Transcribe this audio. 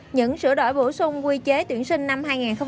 những sửa đổi bổ sung quy chế tuyển sinh năm hai nghìn một mươi chín